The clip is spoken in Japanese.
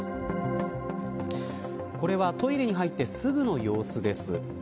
これはトイレに入ってすぐの様子です。